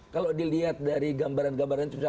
kalau dilihat dari gambaran gambaran